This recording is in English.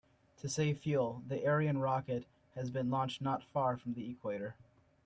To save fuel, the Ariane rocket has been launched not far from the equator.